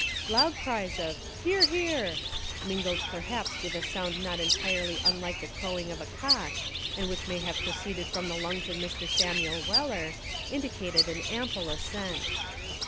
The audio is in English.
Loud cries of "Hear! hear!" mingled per haps with a sound not entirely unlike the crow ing of a cock and which may have proceeded from the lungs of Mr. Samuel Weller, indi cated an ample assent.